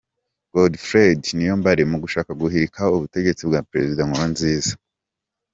Godefroid Niyombare mu gushaka guhirika ubutegetsi bwa Perezida Nkurunziza.